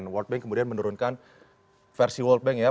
world bank kemudian menurunkan versi world bank ya